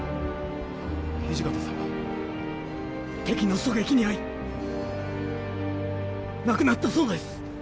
敵の狙撃に遭い亡くなったそうです。